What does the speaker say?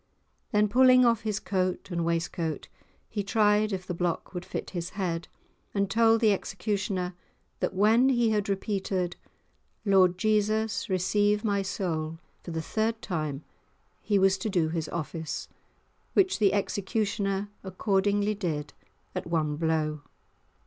Then, pulling off his coat and waistcoat, he tried if the block would fit his head, and told the executioner that when he had repeated "Lord Jesus receive my soul" for the third time, he was to do his office, which the executioner accordingly did at one blow.